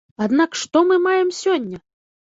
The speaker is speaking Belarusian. Аднак што мы маем сёння?